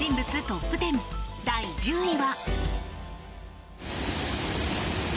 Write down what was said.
トップ１０第１０位は。